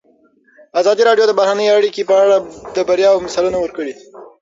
ازادي راډیو د بهرنۍ اړیکې په اړه د بریاوو مثالونه ورکړي.